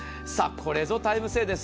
これぞタイムセールです。